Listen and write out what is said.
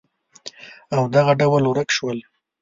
او دغه ډول ورک شول